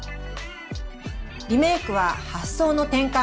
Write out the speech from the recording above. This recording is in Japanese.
リメークは発想の転換！